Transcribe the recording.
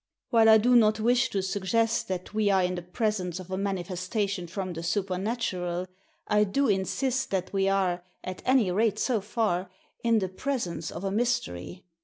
" While I do not wish to suggest that we are in the presence of a manifestation from the supernatural, I do insist that we are, at any rate so far, in the presence of a mystery.